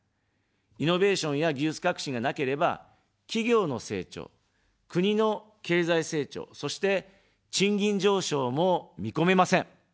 イノベーションや技術革新がなければ、企業の成長、国の経済成長、そして、賃金上昇も見込めません。